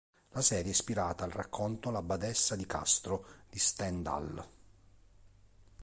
La serie è ispirata al racconto "La badessa di Castro" di Stendhal.